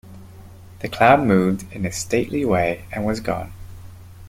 The cloud moved in a stately way and was gone.